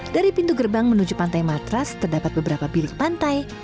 dari pintu gerbang menuju pantai matras terdapat beberapa bilik pantai